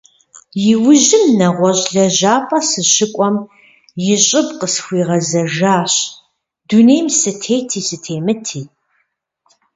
Иужьым, нэгъуэщӀ лэжьапӀэ сыщыкӀуэм, и щӀыб къысхуигъэзэжащ - дунейм сытети сытемыти.